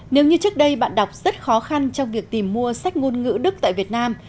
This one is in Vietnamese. nếu như trước đây bạn đọc rất khó khăn trong việc tìm mua sách ngôn ngữ đức tại việt nam